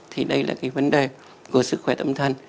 thì đây là cái vấn đề của sức khỏe tâm thần